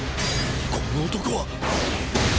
この男はっ！